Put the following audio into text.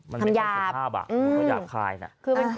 มันมีความสุขภาพมันมีความอยากคลาย